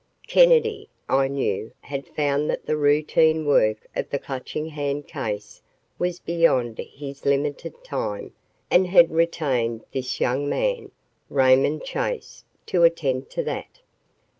Kennedy, I knew, had found that the routine work of the Clutching Hand case was beyond his limited time and had retained this young man, Raymond Chase, to attend to that.